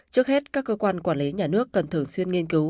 trước hết các cơ quan quản lý nhà nước cần thường xuyên nghiên cứu